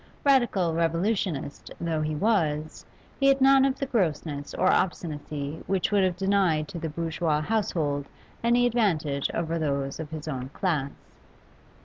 Radical revolutionist though he was, he had none of the grossness or obstinacy which would have denied to the bourgeois household any advantage over those of his own class.